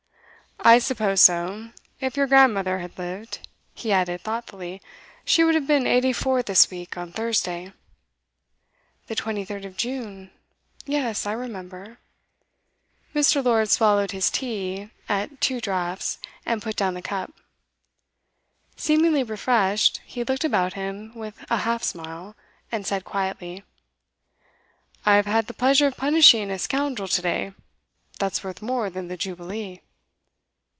'I suppose so. If your grandmother had lived,' he added thoughtfully, 'she would have been eighty four this week on Thursday.' 'The 23rd of June. Yes, I remember.' Mr. Lord swallowed his tea at two draughts, and put down the cup. Seemingly refreshed, he looked about him with a half smile, and said quietly: 'I've had the pleasure of punishing a scoundrel to day. That's worth more than the Jubilee.